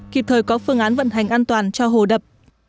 kịp thời có phương án vận hành an toàn cho hồ đập